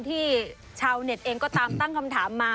ชาวเน็ตเองก็ตามตั้งคำถามมา